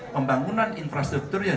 pembangunan infrastruktur yang